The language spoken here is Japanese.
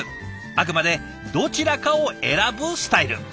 あくまでどちらかを選ぶスタイル。